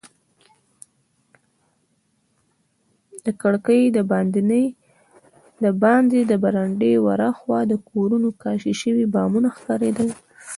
د کړکۍ دباندې له برنډې ورهاخوا د کورونو کاشي شوي بامونه ښکارېدل.